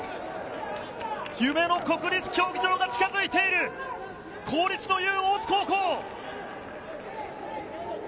夢の国立競技場が近づいている公立の雄・大津高校。